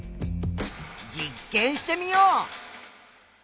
実験してみよう。